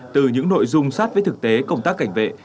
từ những nội dung sát với thực tế công tác cảnh vệ